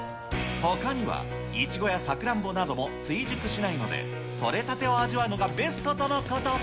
ほかにもいちごやさくらんぼなども追熟しないので、取れたてを味わうのがベストとのこと。